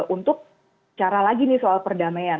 untuk cara lagi nih soal perdamaian